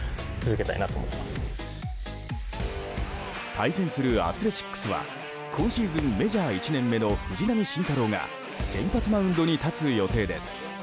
対戦するアスレチックスは今シーズンメジャー１年目の藤浪晋太郎が先発マウンドに立つ予定です。